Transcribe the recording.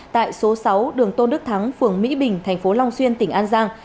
tại số sáu đường tôn đức thắng phường mỹ bình thành phố long xuyên tỉnh an giang